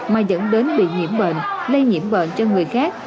mà dẫn đến bị nhiễm bệnh lây nhiễm bệnh cho người khác